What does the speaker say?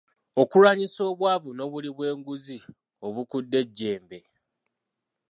Okulwanyisa obwavu n'obuli bwenguzi obukudde ejjembe.